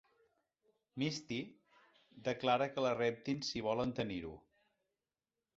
Misty declara que la reptin si volen tenir-ho.